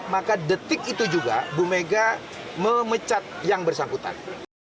maka detik itu juga bumega memecat yang bersangkutan